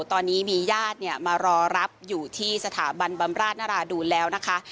ตอนนี้มีญาติเนี่ยมารอรับอยู่ที่สถาบันบำราชนราดูนแล้วนะคะ